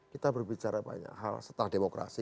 kita berbicara banyak hal setelah demokrasi